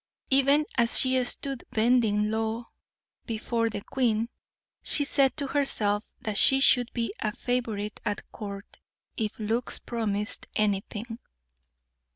Even as she stood bending low before the queen, she said to herself that she should be a favorite at court, if looks promised anything.